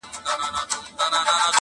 ټولي نړۍ ته کرونا ببر یې٫